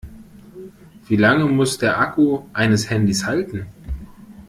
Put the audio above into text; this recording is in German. Wie lange muss der Akku eines Handys halten?